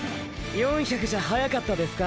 ４００じゃ早かったですか？